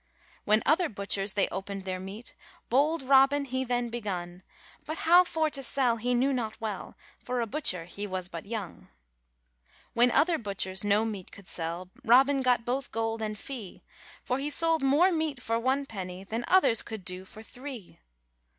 When other butchers they opened their meat, Bold Robin he then begun; But how for to sell he knew not well, For a butcher he was but young. When other butchers no meat could sell, Robin got both gold and fee; For he sold more meat for one peny Than others could do for three.